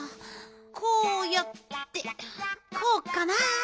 こうやってこうかな？